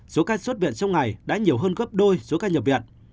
số ca xuất viện trong ngày đã nhiều hơn gấp đôi số ca nhập viện